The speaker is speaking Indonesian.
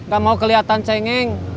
gak mau kelihatan cengeng